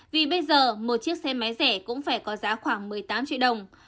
vì bây giờ một chiếc xe máy rẻ cũng phải có giá khoảng một mươi tám triệu đồng